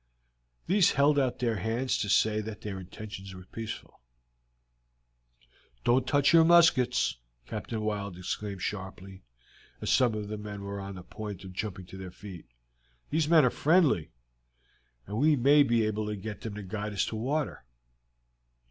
These held out their hands to say that their intentions were peaceful. "Don't touch your muskets!" Captain Wild exclaimed sharply, as some of the men were on the point of jumping to their feet. "The men are friendly, and we may be able to get them to guide us to water."